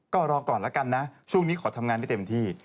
ก็รอก่อนแล้วกันนะช่วงนี้ขอทำงานได้เต็มที่